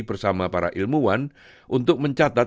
bersama para ilmuwan untuk mencatat